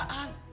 gak ada bangut